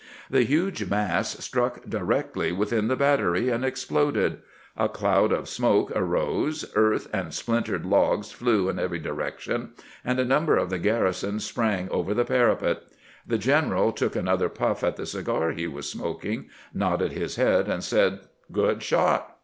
The huge mass struck directly within the battery, and exploded. A cloud of smoke arose, earth and splin tered logs flew in every direction, and a number of the garrison sprang over the parapet. The general took another puff at the cigar he was smoking, nodded his head, and said, " Good shot